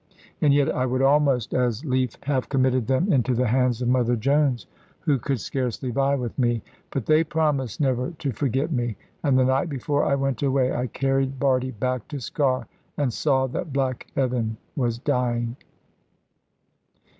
And yet I would almost as lief have committed them into the hands of Mother Jones, who could scarcely vie with me. But they promised never to forget me; and the night before I went away, I carried Bardie back to Sker, and saw that Black Evan was dying.